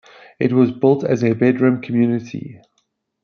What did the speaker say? It was built as a bedroom community.